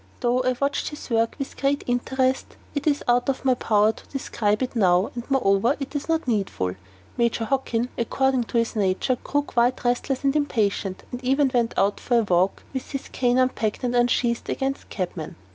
Though I watched his work with great interest, it is out of my power to describe it now, and, moreover, it is not needful. Major Hockin, according to his nature, grew quite restless and impatient, and even went out for a walk, with his cane unpacked and unsheathed against cabmen.